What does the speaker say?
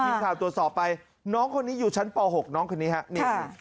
ทีมข่าวตรวจสอบไปน้องคนนี้อยู่ชั้นป๖น้องคนนี้ครับ